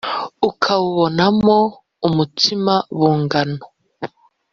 ukawubonamo umutsima bugano